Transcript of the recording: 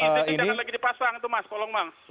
tapi ini tidak akan lagi dipasang itu mas